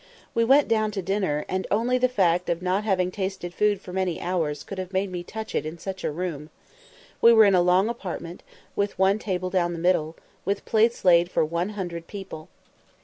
We went down to dinner, and only the fact of not having tasted food for many hours could have made me touch it in such a room. We were in a long apartment, with one table down the middle, with plates laid for one hundred people.